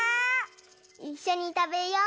いっしょにたべよう！